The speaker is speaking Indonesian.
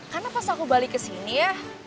karena pas aku balik ke sini ya